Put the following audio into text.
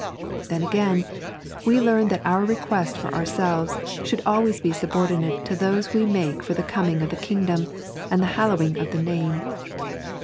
Then again, we learn that our requests for ourselves should always be subordinate to those we make for the coming of the Kingdom, and the Hallowing of the Name.